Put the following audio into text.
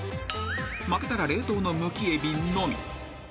［負けたら冷凍のむきエビのみ］